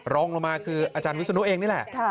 รองลงมาคืออาจารย์วิศนุเองนี่แหละ